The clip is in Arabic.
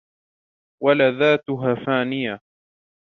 وَلَذَّاتُهَا فَانِيَةٌ